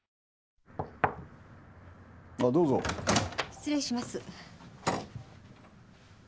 失礼します。